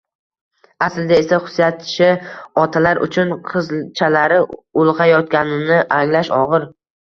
Aslida esa xususiychi otalar uchun qizchalari ulg‘ayayotganini anglash og'ir.